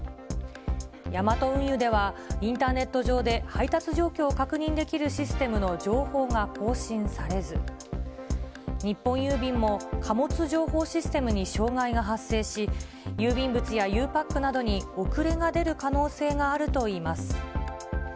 ヤマト運輸では、インターネット上で配達状況を確認できるシステムの情報が更新されず、日本郵便も貨物情報システムに障害が発生し、郵便物やゆうパックなどに遅れが出る可能性があるといいます。